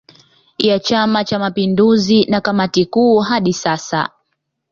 Ya chama cha mapinduzi na kamati kuu hadi sasa